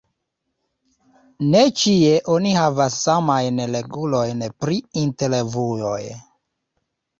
Ne ĉie oni havas samajn regulojn pri intervjuoj.